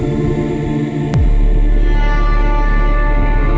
สวัสดีครับ